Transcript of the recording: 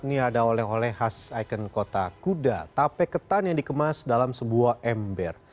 ini ada oleh oleh khas ikon kota kuda tape ketan yang dikemas dalam sebuah ember